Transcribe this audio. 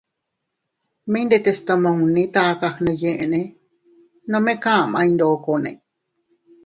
Mi ndetes tomunnine taka gndiyinne nome kaʼmay ndokone.